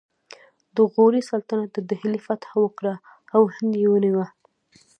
د غوري سلطنت د دهلي فتحه وکړه او هند یې ونیو